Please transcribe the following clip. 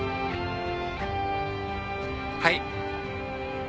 はい。